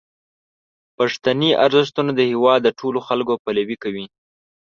پښتني ارزښتونه د هیواد د ټولو خلکو پلوي کوي.